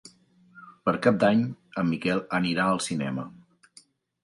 Per Cap d'Any en Miquel anirà al cinema.